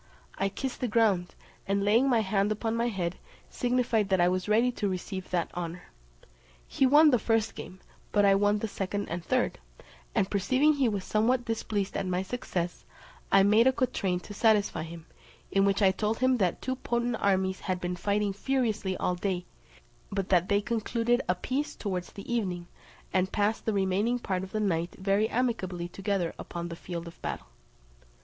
I kissed the ground, and laying my hand upon my head, signified that I was ready to receive that honour. He won the first game, but I won the second and third; and perceiving he was somewhat displeased at my success, I made a quatrain to satisfy him; in which I told him that two potent armies had been fighting furiously all day, but that they concluded a peace towards the evening, and passed the remaining part of the night very amicably together upon the field of battle.